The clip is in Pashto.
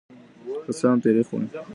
که څه هم تریخ وي.